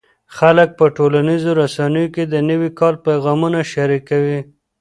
خلک په ټولنیزو رسنیو کې د نوي کال پیغامونه شریکوي.